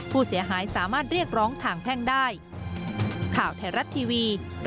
ผู้เสียหายสามารถเรียกร้องทางแพ่งได้